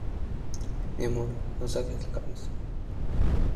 mi amor, no saques la cabeza.